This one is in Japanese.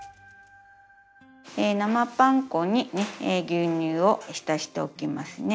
生パン粉に牛乳を浸しておきますね。